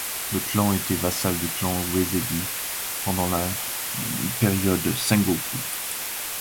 Le clan était vassal du clan Uesugi pendant la période Sengoku.